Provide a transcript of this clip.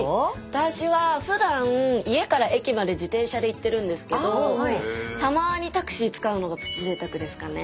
私はふだん家から駅まで自転車で行ってるんですけどたまにタクシー使うのが「プチぜいたく」ですかね。